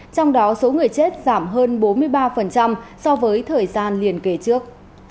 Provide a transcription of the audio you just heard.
trong đó số người chết giảm hơn bốn mươi ba so với thời gian liền kể trước